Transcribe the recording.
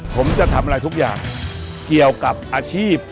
ผมจะทำอะไรทุกอย่างเกี่ยวกับอาชีพ